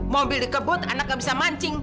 mobil dikebut anak gak bisa mancing